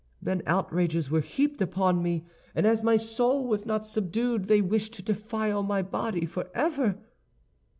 Then outrages were heaped upon me, and as my soul was not subdued they wished to defile my body forever.